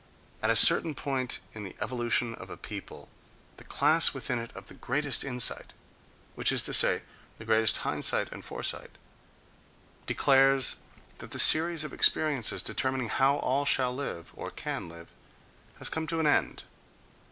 —At a certain point in the evolution of a people, the class within it of the greatest insight, which is to say, the greatest hindsight and foresight, declares that the series of experiences determining how all shall live—or can live—has come to an end.